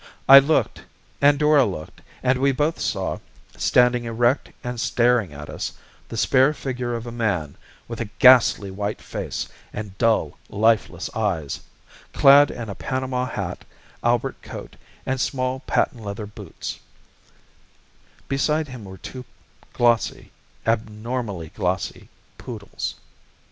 I looked, and Dora looked, and we both saw, standing erect and staring at us, the spare figure of a man, with a ghastly white face and dull, lifeless eyes, clad in a panama hat, albert coat, and small, patent leather boots; beside him were two glossy abnormally glossy poodles.